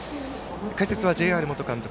解説はＪＲ東海元監督